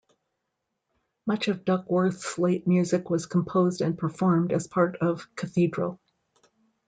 Much of Duckworth's late music was composed and performed as part of "Cathedral".